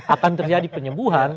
akan terjadi penyembuhan